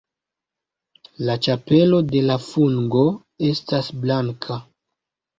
La ĉapelo de la fungo estas blanka.